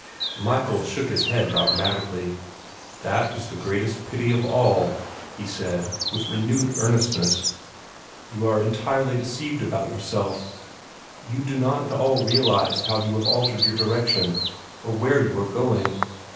Michael shook his head dogmatically. "That is the greatest pity of all," he said, with renewed earnestness. "You are entirely deceived about yourself. You do not at all realize how you have altered your direction, or where you are going.